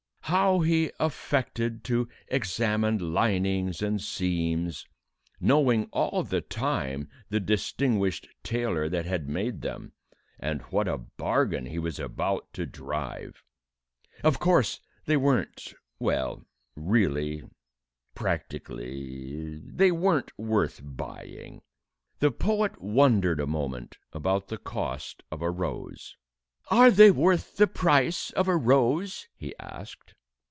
how he affected to examine linings and seams, knowing all the time the distinguished tailor that had made them, and what a bargain he was about to drive. Of course, they weren't, well ... really ... practically ... they weren't worth buying.... The poet wondered a moment about the cost of a rose. "Are they worth the price of a rose?" he asked.